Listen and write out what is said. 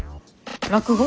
落語？